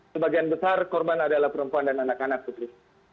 sebagian besar korban adalah perempuan dan anak anak putri